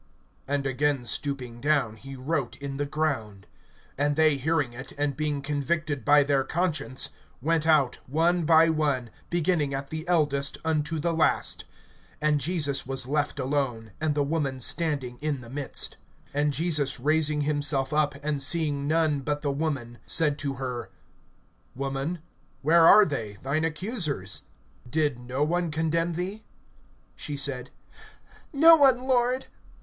(8)And again stooping down, he wrote in the ground. (9)And they hearing it, and being convicted by their conscience, went out one by one, beginning at the eldest, unto the last; and Jesus was left alone, and the woman standing in the midst. (10)And Jesus raising himself up, and seeing none but the woman, said to her: Woman, where are they, thine accusers? Did no one condemn thee? (11)She said: No one, Lord.